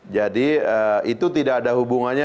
jadi itu tidak ada hubungannya